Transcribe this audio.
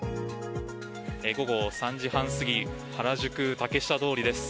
午後３時半過ぎ原宿・竹下通りです。